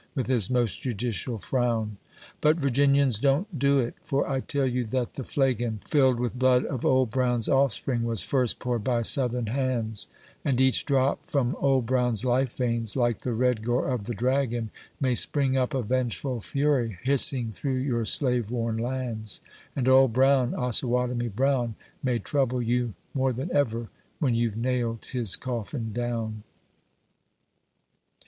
with his most judi cial frown. But, Virginians, don't do it ! for I tell you that the flagcn, Filled with blood of Old Brown's offspring, was first poured by Southern hands : And each drop from Old Brown's life veins, like the red gore of the dragon, May spring up a vengeful Fury, hissing through your slave worn lands ; And Old Brown, Osawatomie Brown, May trouble you more than ever, when you 've nailed his coffin down